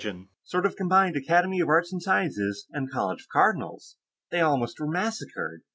Sort of combined Academy of Arts and Sciences and College of Cardinals. They almost were massacred.